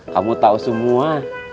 kamu tau semua